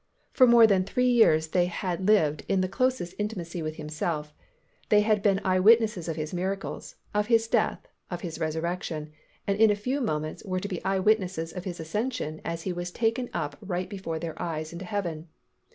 For more than three years, they had lived in the closest intimacy with Himself; they had been eye witnesses of His miracles, of His death, of His resurrection, and in a few moments were to be eye witnesses of His ascension as He was taken up right before their eyes into heaven.